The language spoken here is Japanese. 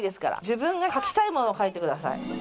自分が描きたいものを描いてください。